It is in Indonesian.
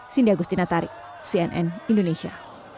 sindia gusti natari cnn indonesia